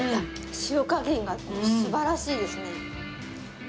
塩加減が素晴らしいですね。